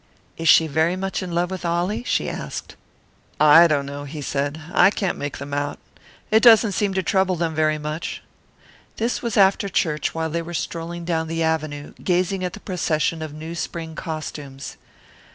"Is she very much in love with Ollie?" she asked. "I don't know," he said. "I can't make them out. It doesn't seem to trouble them very much." This was after church while they were strolling down the Avenue, gazing at the procession of new spring costumes.